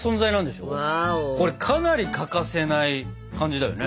これかなり欠かせない感じだよね。